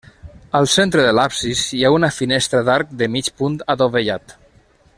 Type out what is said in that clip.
Al centre de l'absis hi ha una finestra d'arc de mig punt adovellat.